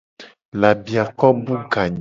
Labiako bu ga nye.